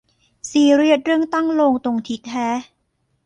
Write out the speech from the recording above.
ซีเรียสเรื่องตั้งโลงตรงทิศแฮะ